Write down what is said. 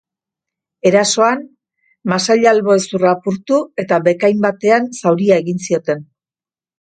Erasoan, masail-albo hezurra apurtu eta bekain batean zauria egin zioten.